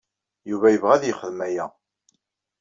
Yuba yebɣa ad yexdem aya.